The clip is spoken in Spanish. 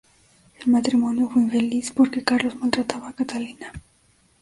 El matrimonio fue infeliz, porque Carlos maltrataba a Catalina.